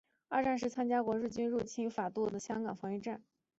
二战时参加过日军入侵法属印度支那和香港攻防战。